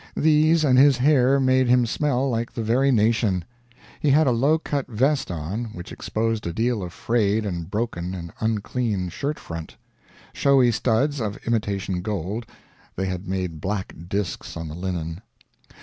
These and his hair made him smell like the very nation. He had a low cut vest on, which exposed a deal of frayed and broken and unclean shirtfront. Showy studs, of imitation gold they had made black disks on the linen.